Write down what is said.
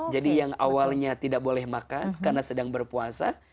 jadi yang awalnya tidak boleh makan karena sedang berpuasa